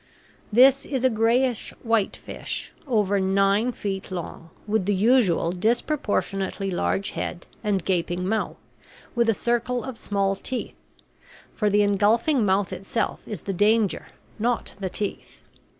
This is a grayish white fish over nine feet long, with the usual disproportionately large head and gaping mouth, with a circle of small teeth; for the engulfing mouth itself is the danger, not the teeth.